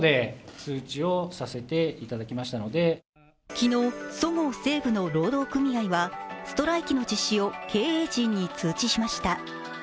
昨日、そごう・西武の労働組合はストライキの実施を経営陣に通知しました。